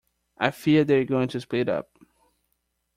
I fear they're going to split up.